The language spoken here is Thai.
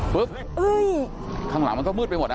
ข้างหลังมันก็มืดไปหมดนะ